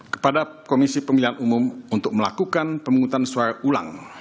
kepada komisi pemilihan umum untuk melakukan pemungutan suara ulang